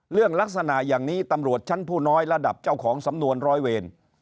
ลักษณะอย่างนี้ตำรวจชั้นผู้น้อยระดับเจ้าของสำนวนร้อยเวร